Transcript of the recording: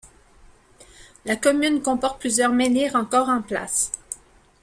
La commune comporte plusieurs menhirs encore en place.